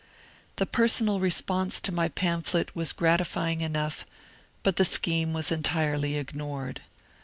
The personal response to my pamphlet was gratifying enough, but the scheme was entirely ignored.